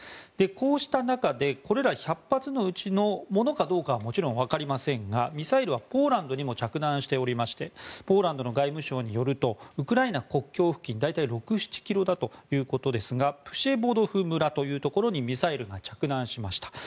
こうした中でこれら１００発のうちのものかはもちろんわかりませんがミサイルはポーランドにも着弾しておりましてポーランドの外務省によりますとウクライナ国境付近大体６７ｋｍだということですがプシェボドフ村というところにミサイルが着弾しました。